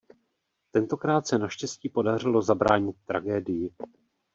Tentokrát se naštěstí podařilo zabránit tragédii.